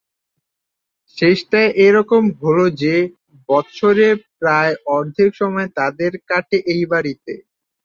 শেষটায় এ রকম হল যে, বৎসরের প্রায় অর্ধেক সময় তাদের কাটে এই বাড়িতে।